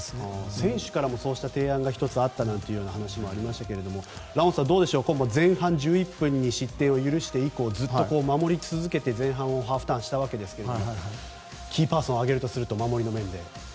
選手からもそうした提案があったという話がありましたけどラモスさん、どうでしょう前半１１分に失点を許して以降ずっと守り続けて前半をハーフターンしましたがキーパーソンを上げるとすると守りの面で。